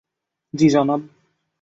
জ্বী, জনাব।